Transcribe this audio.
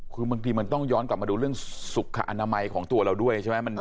คือบางทีมันต้องย้อนกลับมาดูเรื่องสุขอนามัยของตัวเราด้วยใช่ไหม